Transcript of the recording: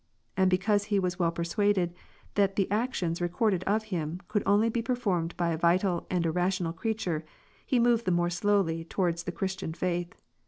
Andbecause hewas well persuad ed, that the actions recorded of Him, could only be performed by a vital and a rational creature, he moved the more slowly towards the Christian Faith.